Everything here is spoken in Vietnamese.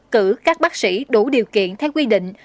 cử các bác sĩ đủ điều kiện theo quy định